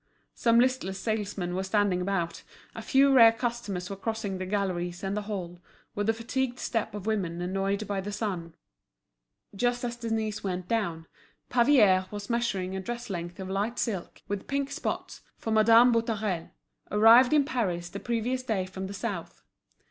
Some listless salesmen were standing about, a few rare customers were crossing the galleries and the hall, with the fatigued step of women annoyed by the sun. Just as Denise went down, Pavier was measuring a dress length of light silk, with pink spots, for Madame Boutarel, arrived in Paris the previous day from the South.